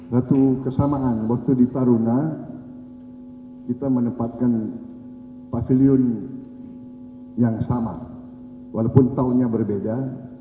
satu kesamaan waktu di taruna kita menempatkan pavilion yang sama walaupun tahunnya berbeda